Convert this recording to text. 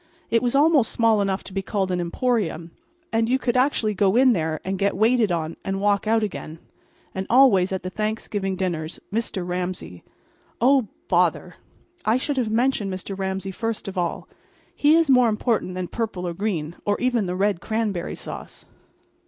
It was almost small enough to be called an emporium; and you could actually go in there and get waited on and walk out again. And always at the Thanksgiving dinners Mr. Ramsay— Oh, bother! I should have mentioned Mr. Ramsay first of all. He is more important than purple or green, or even the red cranberry sauce.